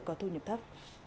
có thu nhập thấp